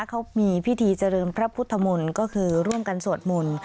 เขามีพิธีเจริญพระพุทธมนตร์ก็คือร่วมกันสวดมนต์